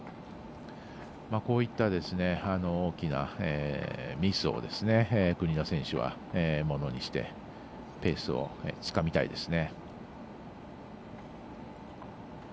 こういった大きなミスを国枝選手はものにしてペースをつかみたいですね。